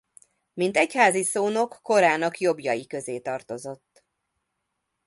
Mint egyházi szónok korának jobbjai közé tartozott.